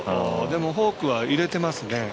フォークは入れてますね。